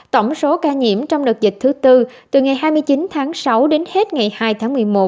tổng số ca nhiễm trong đợt dịch thứ tư từ ngày hai mươi chín tháng sáu đến hết ngày hai tháng một mươi một